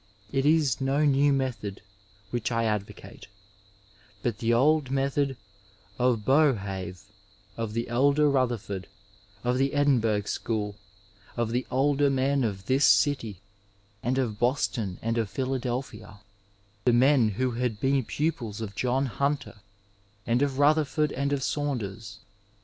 It is no new method which I advocate, but the old method of Boerhaave, of the elder Rutherford of the Edinburgh school, of the older men of this city, and of Boston and of Philadelphia — ^the men who had been pupils of John Hunter and of Rutherford and of Saunders.